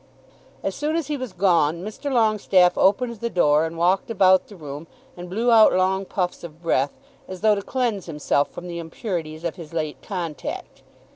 As soon as he was gone Mr. Longestaffe opened the door and walked about the room and blew out long puffs of breath, as though to cleanse himself from the impurities of his late contact.